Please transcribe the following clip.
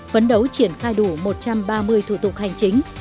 phấn đấu triển khai đủ một trăm ba mươi thủ tục hành chính